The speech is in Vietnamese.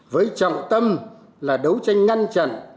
với trọng tâm là đấu tranh ngăn chặn